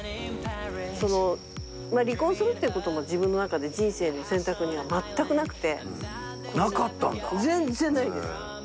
その離婚するっていう事も自分の中で人生の選択には全くなくて。